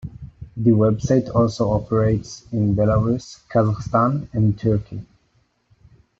The web site also operates in Belarus, Kazakhstan and Turkey.